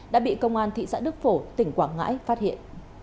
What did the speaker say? đã bị công an thị xã đức phổ tỉnh quảng ngãi phát hiện